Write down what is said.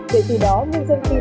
để từ đó nhân dân tin tưởng